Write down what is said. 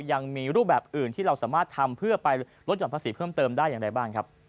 ยังมีรูปแบบอื่นที่เราสามารถทำเพื่อไปลดหย่อนภาษีเพิ่มเติมได้อย่างไรบ้างครับ